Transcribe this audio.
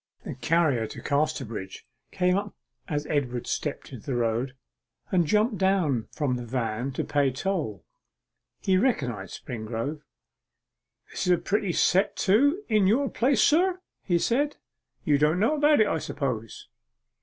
The carrier to Casterbridge came up as Edward stepped into the road, and jumped down from the van to pay toll. He recognized Springrove. 'This is a pretty set to in your place, sir,' he said. 'You don't know about it, I suppose?